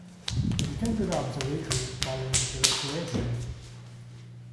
It was returned to the observatory following the restoration.